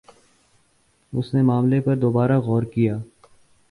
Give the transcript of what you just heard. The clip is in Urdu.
اس نے معاملے پر دوبارہ غور کِیا